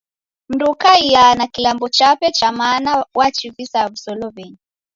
Mndu ukakaia na kilambo chape cha mana wachivisa musolow'enyi.